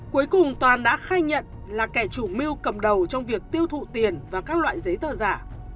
cuối cùng toàn đã khai nhận là kẻ chủ mưu cầm đầu trong việc tiêu thụ tiền và các loại giấy tờ giả